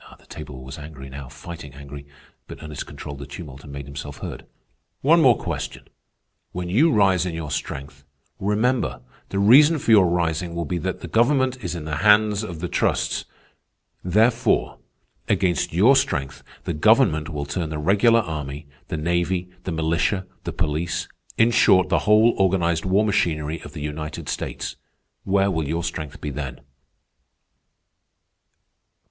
The table was angry, now, fighting angry; but Ernest controlled the tumult and made himself heard. "One more question. When you rise in your strength, remember, the reason for your rising will be that the government is in the hands of the trusts. Therefore, against your strength the government will turn the regular army, the navy, the militia, the police—in short, the whole organized war machinery of the United States. Where will your strength be then?"